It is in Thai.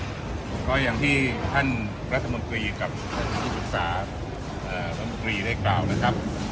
ครับก็อย่างที่ท่านประสบกรีกับท่านผู้ศึกษาอ่าประบบกรีได้กล่าวนะครับ